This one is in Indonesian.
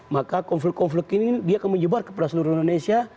maka konflik konflik ini dia akan menyebar kepada seluruh indonesia